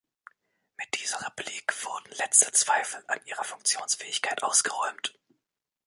Mit dieser Replik wurden letzte Zweifel an ihrer Funktionsfähigkeit ausgeräumt.